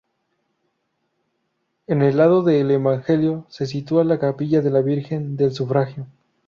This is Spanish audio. En el lado del evangelio se sitúa la capilla de la Virgen del Sufragio.